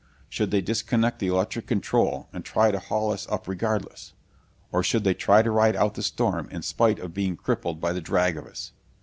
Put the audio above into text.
Should they disconnect the electric control and try to haul us up regardless? Or should they try to ride out the storm in spite of being crippled by the drag of us?